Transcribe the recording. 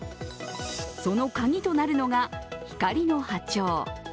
その鍵となるのが光の波長。